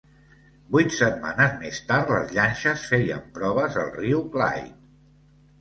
Vuit setmanes més tard les llanxes feien proves al riu Clyde.